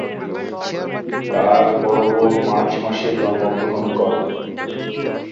তার বড় বোন মার্চ মাসে জন্মগ্রহণ করে।